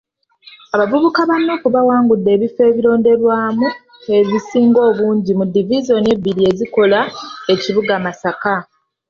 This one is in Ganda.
Abavubuka ba NUP bawangudde ebifo ebironderwamu ebisinga obungi mu divizoni ebbiri ezikola ekibuga Masaka.